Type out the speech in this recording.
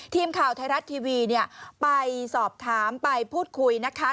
ทีมข่าวไทยรัฐทีวีเนี่ยไปสอบถามไปพูดคุยนะคะ